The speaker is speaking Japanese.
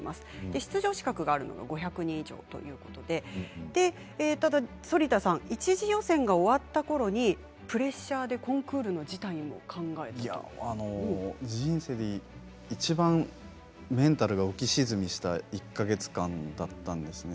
出場資格があるのは５００人以上ということで反田さん、一次予選が終わったころにプレッシャーで人生でいちばんメンタルが浮き沈みした１か月間だったんです。